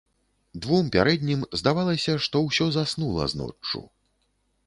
Двум пярэднім здавалася, што ўсё заснула з ноччу.